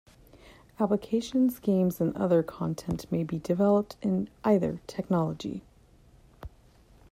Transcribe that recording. Applications, games and other content may be developed in either technology.